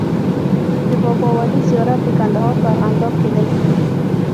د بابا ولي زيارت د کندهار په ارغنداب کی دی